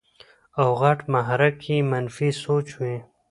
او غټ محرک ئې منفي سوچ وي -